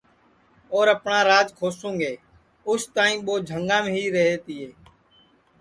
اور اپٹؔا راج کھوسُونگے اُس تائی ٻو جھنگام ہی رہتے تیے